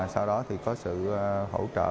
sau đó có sự hỗ trợ